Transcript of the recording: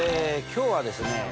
今日はですね